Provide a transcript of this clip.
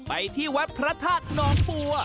ไปที่วัดพระธาตุหนองบัว